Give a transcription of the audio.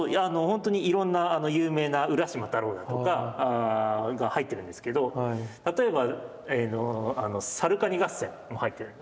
ほんとにいろんな有名な浦島太郎だとかが入ってるんですけど例えば「さるかに合戦」も入ってる。